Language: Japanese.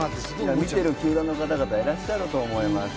見ている球団の方々、いらっしゃると思います。